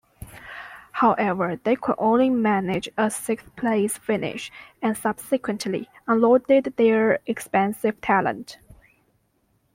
However, they could only manage a sixth-place finish and subsequently unloaded their expensive talent.